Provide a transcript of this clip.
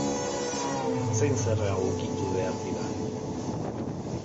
Zein zerga ukitu behar dira?